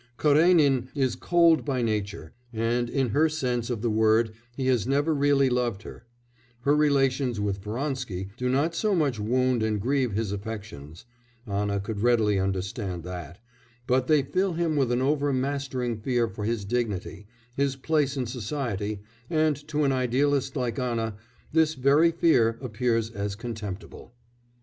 Karénin is cold by nature, and, in her sense of the word, he has never really loved her; her relations with Vronsky do not so much wound and grieve his affections (Anna could readily understand that), but they fill him with an overmastering fear for his dignity, his place in society, and, to an idealist like Anna, this very fear appears as contemptible.